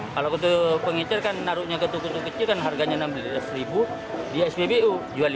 kalau pengecer kan naruhnya ke tuku tuku kecil kan harganya rp enam belas di spbu